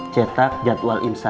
cetak jadwal imsseng